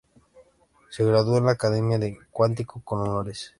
Se graduó en la academia de Quantico "con honores".